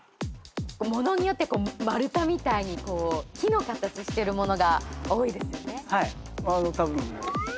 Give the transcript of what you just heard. ものによって丸太みたいに木の形してるものが多いですよね。